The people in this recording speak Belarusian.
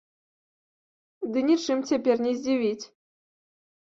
Ды нічым цяпер не здзівіць!